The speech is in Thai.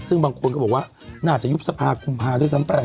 ซึ่งบางคนก็บอกว่าน่าจะยุบสภากุมภาด้วยซ้ำไป